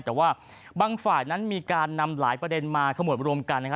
แต่ว่าบางฝ่ายนั้นมีการนำหลายประเด็นมาขมวดรวมกันนะครับ